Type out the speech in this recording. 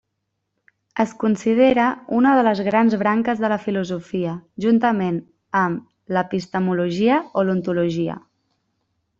Es considera una de les grans branques de la filosofia, juntament amb l'epistemologia o l'ontologia.